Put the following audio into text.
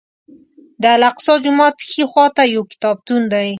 د الاقصی جومات ښي خوا ته یو کتابتون دی.